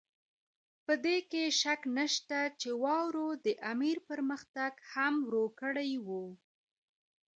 په دې کې شک نشته چې واورو د امیر پرمختګ هم ورو کړی وو.